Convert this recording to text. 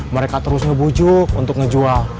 mereka terus ngebujuk untuk ngejual